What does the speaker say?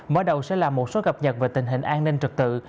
mở đầu sẽ là một số gặp nhật về tình hình an ninh trực tự